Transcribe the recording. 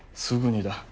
すぐにだ。